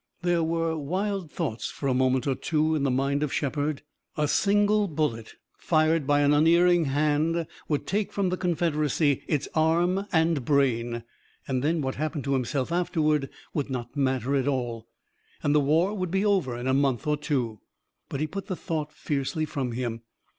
There were wild thoughts for a moment or two in the mind of Shepard. A single bullet fired by an unerring hand would take from the Confederacy its arm and brain, and then what happened to himself afterward would not matter at all. And the war would be over in a month or two. But he put the thought fiercely from him.